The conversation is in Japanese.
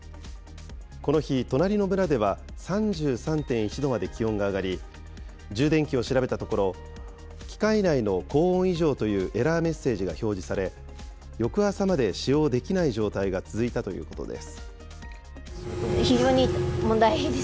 この日、隣の村では３３．１度まで気温が上がり、充電器を調べたところ、機械内の高温異常というエラーメッセージが表示され、翌朝まで使用できない状態が続いたということです。